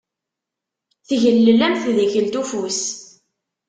Tgellel, am tdikelt ufus.